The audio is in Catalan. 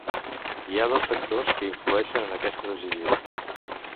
Hi ha dos factors que influeixen en aquesta decisió.